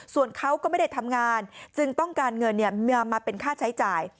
ส่วนเขาก็ไม่ได้ทำงานจึงต้องการเงินมาเป็นค่าใช้จ่าย